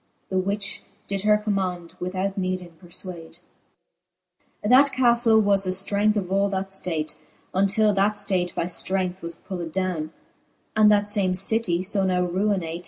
The which did her command, without needing perfwade. XXVI. That ca{lle was the flrength of all that {late, Untill that Hate by {Irength was pulled downe. And that fame citie, fo now ruinate.